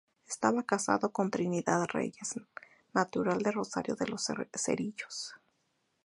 Estaba casado con Trinidad Reyes, natural de Rosario de los Cerrillos.